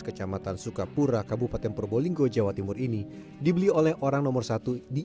kecamatan sukapura kabupaten probolinggo jawa timur ini dibeli oleh orang nomor satu di